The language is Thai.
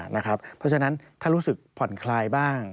เพราะฉะนั้นถ้ารู้สึกผ่อนคลายบ้าง